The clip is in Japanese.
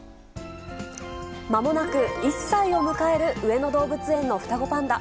まもなく１歳を迎える上野動物園の双子パンダ。